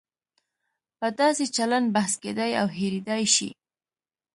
په داسې چلن بحث کېدای او هېریدای شي.